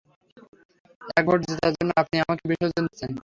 এক ভোট জেতার জন্য আপনি আমাকে বিসর্জন দিচ্ছেন?